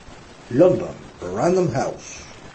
London: Random House.